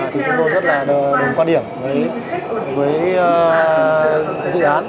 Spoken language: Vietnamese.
thì chúng tôi rất là đồng quan điểm với dự án